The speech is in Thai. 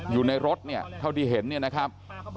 อยู่ในรถเนี่ยเท่าที่เห็นเนี่ยนะครับ